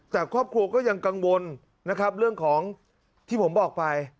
แต่ครอบครัวก็ยังกังวลนะครับเรื่องของที่ผมบอกไป